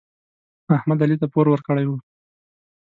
احمد علي ته پور ورکړی و.